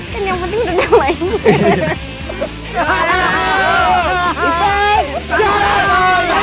kan yang penting udah nyaman